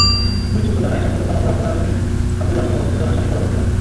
Police সূত্র জানায়, শাকিল হত্যা মামলার প্রধান আসামি আবদুল্লাহসহ তিনজন আসামি পলাতক ছিলেন।